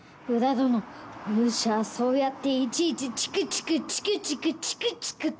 どのおぬしはそうやっていちいちチクチクチクチクチクチクと！